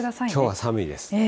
きょうは寒いです。